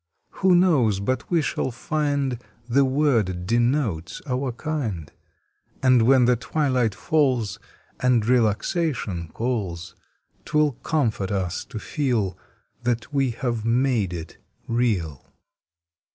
Who knows but we shall find The word denotes our kind, And when the twilight falls And relaxation calls, Twill comfort us to feel That we have made it real.